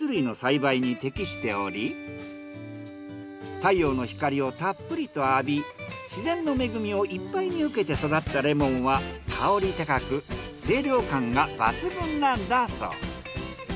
太陽の光をたっぷりと浴び自然の恵みをいっぱいに受けて育ったレモンは香り高く清涼感が抜群なんだそう。